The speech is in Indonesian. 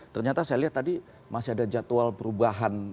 ternyata saya lihat tadi masih ada jadwal perubahan